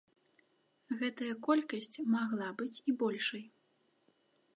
Гэтая колькасць магла быць і большай.